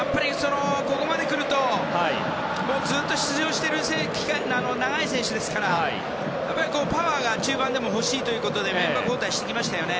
ここまで来るとずっと出場している期間の長い選手ですからパワーが中盤でも欲しいということでメンバー交代をしてきましたね。